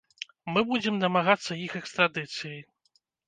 Мы будзем дамагацца іх экстрадыцыі.